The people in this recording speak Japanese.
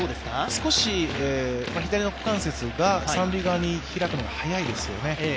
少し左の股関節が三塁側に開くのが早いですよね。